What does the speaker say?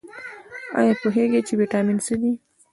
ایا پوهیږئ چې ویټامین څه دي؟